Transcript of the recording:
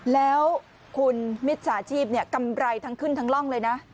แล้วคุณมิจฉาชีพกำไรทั้งขึ้นทั้งร่องเลยนะ